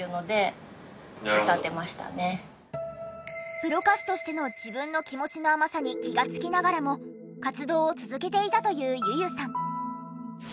プロ歌手としての自分の気持ちの甘さに気がつきながらも活動を続けていたというｙｕ−ｙｕさん。